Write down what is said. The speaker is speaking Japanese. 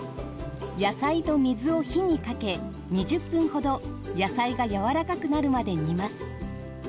野菜と水を火にかけ２０分ほど野菜がやわらかくなるまで煮ます。